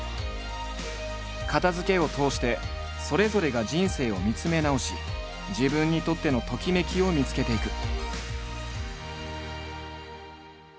片づけを通してそれぞれが人生を見つめ直し自分にとってのときめきを見つけていく。